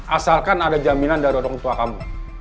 asalkan ada jaminan dari orang tua kamu